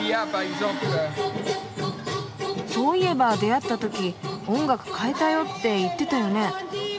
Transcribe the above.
そういえば出会ったとき「音楽変えたよ」って言ってたよね。